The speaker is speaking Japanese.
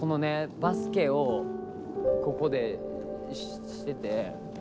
バスケをここでしてて。